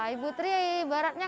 ibu tri ibaratnya